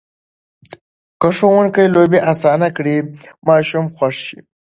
که ښوونکي لوبې اسانه کړي، ماشوم خوښ شي.